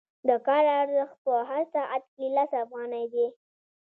د کار ارزښت په هر ساعت کې لس افغانۍ دی